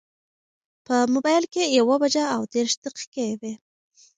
په مبایل کې یوه بجه او دېرش دقیقې وې.